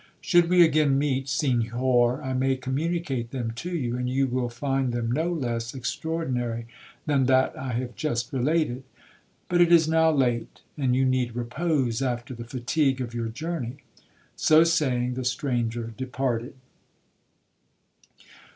Should we again meet, Senhor, I may communicate them to you, and you will find them no less extraordinary than that I have just related. But it is now late, and you need repose after the fatigue of your journey.'—So saying, the stranger departed.